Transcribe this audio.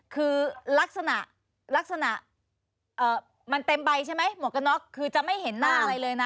คือลักษณะลักษณะมันเต็มใบใช่ไหมหมวกกันน็อกคือจะไม่เห็นหน้าอะไรเลยนะ